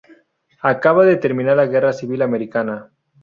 Acaba de terminar la Guerra Civil Americana.